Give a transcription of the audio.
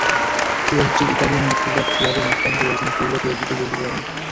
পিএসজির Italian midfielder Thiago মোত্তাই নাকি বলেছেন পিরলো পিএসজিতে যোগ দিতে পারেন।